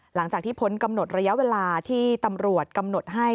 หลังจากที่พ้นกำหนดระยะเวลาที่ตำรวจกำหนดให้